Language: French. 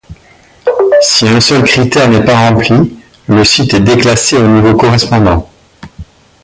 Si un seul critère n’est pas rempli le site est déclassé au niveau correspondant.